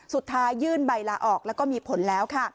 สุดท้ายื่นใบละออกแล้วก็มีผลแล้ว